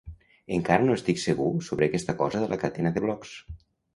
Encara no estic segur sobre aquesta cosa de la cadena de blocs.